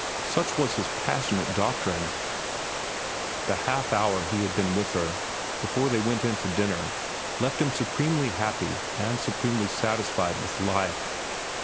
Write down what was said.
Such was his passionate doctrine. The half hour he had with her, before they went in to dinner, left him supremely happy and supremely satisfied with life.